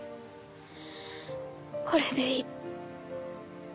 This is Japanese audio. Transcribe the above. これでいい。